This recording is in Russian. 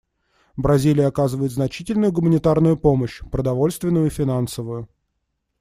Бразилия оказывает значительную гуманитарную помощь — продовольственную и финансовую.